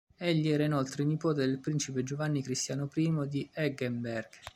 Egli era inoltre nipote del principe Giovanni Cristiano I di Eggenberg.